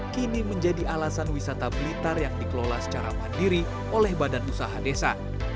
kini menjadi alasan wisata blitar yang dikelola secara mandiri oleh badan usaha desa